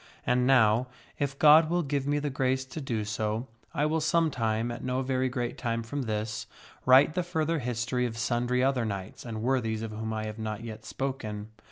And now, if God will give me the grace to do so, I will some time, at no very great time from this, write the further history of sundry other knights and worthies of whom I have not yet spoken.